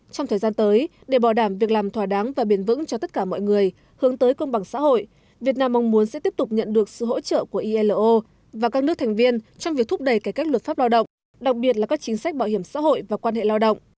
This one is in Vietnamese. trong thời gian tới để bảo đảm việc làm thỏa đáng và biển vững cho tất cả mọi người hướng tới công bằng xã hội việt nam mong muốn sẽ tiếp tục nhận được sự hỗ trợ của ilo và các nước thành viên trong việc thúc đẩy cải cách luật pháp lao động đặc biệt là các chính sách bảo hiểm xã hội và quan hệ lao động